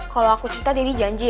kalau aku cerita deddy janji ya